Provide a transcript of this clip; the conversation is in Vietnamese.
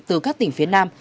từ các tỉnh phía nam